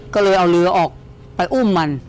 ก็เลยเอาเรือออกไปอุ้มมัน